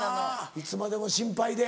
いつまでも心配で。